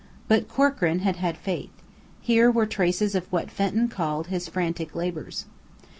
But Corkran had had faith. Here were traces of what Fenton called his "frantic labours."